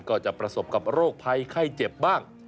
ก็จะประสบกับโรคภัยไข้เจ็บบ้าง